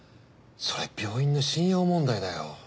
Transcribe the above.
それ病院の信用問題だよ。